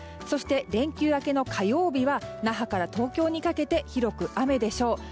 そして連休明けの火曜日は那覇から東京にかけて広く雨でしょう。